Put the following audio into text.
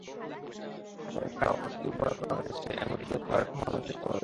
তাঁদের কারও প্রতি দুর্ব্যবহার করা হয়েছে, এমনকি জোর করে খাওয়ানোরও চেষ্টা হয়েছে।